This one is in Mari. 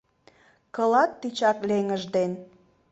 Кылат тичак леҥыж ден;